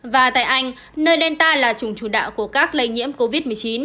và tại anh nơi delta là chủng chủ đạo của các lây nhiễm covid một mươi chín